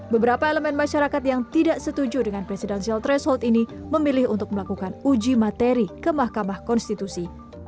beberapa elemen masyarakat yang tidak setuju dengan presidensial threshold ini memilih untuk melakukan uji materi ke mahkamah konstitusi